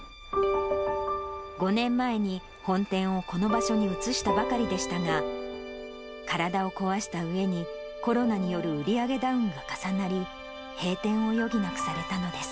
５年前に本店をこの場所に移したばかりでしたが、体を壊したうえに、コロナによる売り上げダウンが重なり、閉店を余儀なくされたのです。